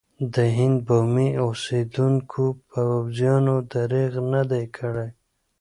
د هند بومي اوسېدونکو پوځیانو درېغ نه دی کړی.